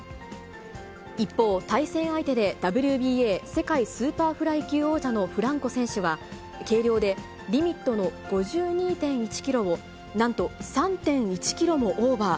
一方、対戦相手でＷＢＡ世界スーパーフライ級王者のフランコ選手は、計量でリミットの５２．１キロを、なんと３．１キロもオーバー。